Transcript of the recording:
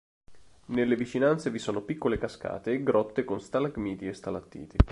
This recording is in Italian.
Nelle vicinanze vi sono piccole cascate e grotte con stalagmiti e stalattiti.